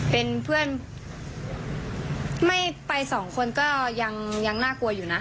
เป็นเพื่อนไม่ไปสองคนก็ยังน่ากลัวอยู่นะ